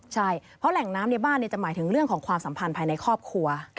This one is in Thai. ใช่เพราะแหล่งน้ำในบ้านจะหมายถึงเรื่องของความสัมพันธ์ภายในครอบครัว